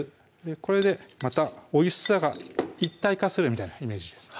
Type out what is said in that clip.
これでまたおいしさが一体化するみたいなイメージです